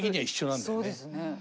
そうですね。